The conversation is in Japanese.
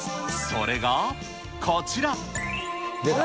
それがこちら。